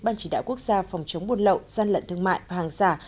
ban chỉ đạo quốc gia phòng chống buôn lậu gian lận thương mại và hàng giả